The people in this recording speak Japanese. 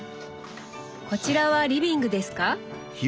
こちらはリビングですか？